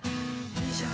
よいしょ。